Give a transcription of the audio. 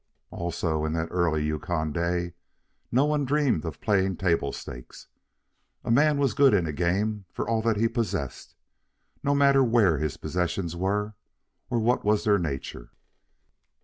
Also, in that early Yukon day, no one dreamed of playing table stakes. A man was good in a game for all that he possessed, no matter where his possessions were or what was their nature.